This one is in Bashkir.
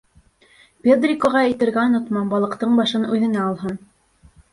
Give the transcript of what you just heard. — Педрикоға әйтергә онотма, балыҡтың башын үҙенә алһын.